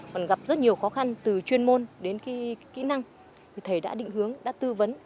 còn gặp rất nhiều khó khăn từ chuyên môn đến kỹ năng thì thầy đã định hướng đã tư vấn